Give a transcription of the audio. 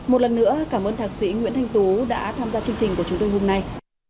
một lần nữa cảm ơn thạc sĩ nguyễn thanh tú đã tham gia chương trình của chúng tôi hôm nay